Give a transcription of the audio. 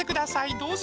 どうぞ。